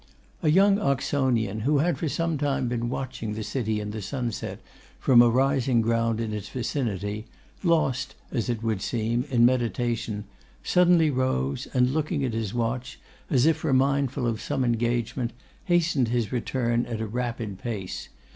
A young Oxonian, who had for some time been watching the city in the sunset, from a rising ground in its vicinity, lost, as it would seem, in meditation, suddenly rose, and looking at his watch, as if remindful of some engagement, hastened his return at a rapid pace.